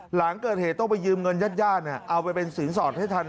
หลังเกิดเหตุต้องไปยืมเงินญาติญาติเอาไปเป็นสินสอดให้ทัน